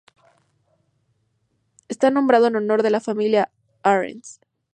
Está nombrado en honor de la familia Ahrens.